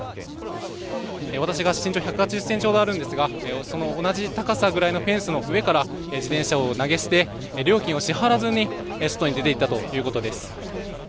私が身長１８０センチほどあるんですが、その同じ高さぐらいのフェンスの上から、自転車を投げ捨て、料金を支払わずに外に出ていったということです。